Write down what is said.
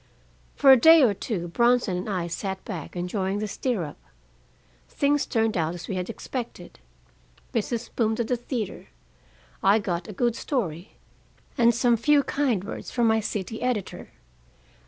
"For a day or two Bronson and I sat back, enjoying the stir up. Things turned out as we had expected. Business boomed at the theater. I got a good story, and some few kind words from my city editor.